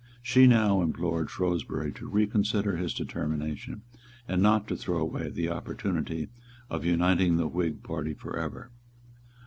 She now implored Shrewsbury to reconsider his determination, and not to throw away the opportunity of uniting the Whig party for ever.